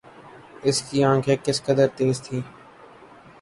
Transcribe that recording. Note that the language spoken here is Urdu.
اس کی آنکھیں کس قدر تیز تھیں